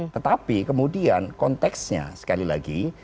tetapi kemudian konteksnya sekali lagi